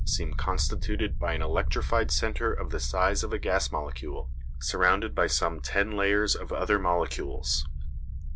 seem constituted by an electrified centre of the size of a gas molecule, surrounded by some ten layers of other molecules.